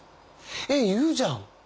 「えっ言うじゃん」って。